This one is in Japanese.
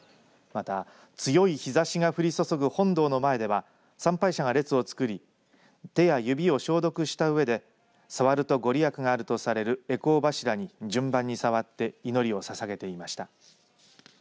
また、強い日ざしが降り注ぐ本堂の前では参拝者が列をつくり手や指を消毒したうえで触ると御利益があるとされる回向柱に順番に触って祈りをささげていました。